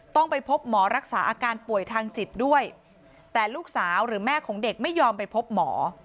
ต้องไปพบหมอรักษาอาการป่วยทางจิตด้วยแต่ลูกสาวหรือแม่ของเด็กไม่ยอมไปพบหมอ